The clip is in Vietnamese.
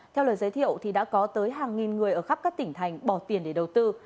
theo lời giới thiệu thì đã có tới hàng nghìn người ở khắp các tỉnh thành bỏ tiền để đầu tư